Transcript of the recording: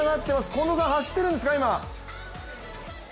近藤さん、走ってるんですか、今？